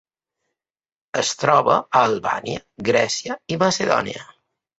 Es troba a Albània, Grècia i Macedònia.